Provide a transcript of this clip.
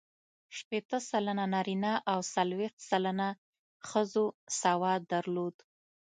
شپېته سلنه نارینه او څلوېښت سلنه ښځو سواد درلود.